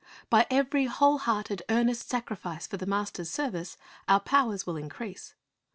By every whole hearted, earnest sacrifice for the Master's service, our powers will increase.